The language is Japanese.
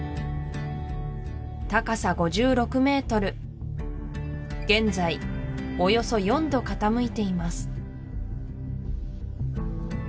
高さ５６ｍ現在およそ４度傾いています